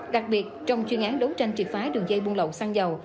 đặc biệt trong chuyên án đấu tranh trị phái đường dây buôn lậu xăng dầu